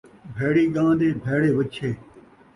بھیڑی ڳاں دے بھیڑے وچھے